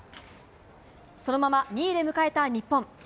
そのまま２位で迎えた日本。